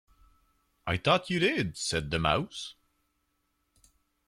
‘I thought you did,’ said the Mouse.